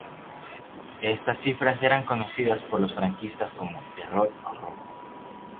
Estas cifras eran conocidas por los franquistas como "terror rojo".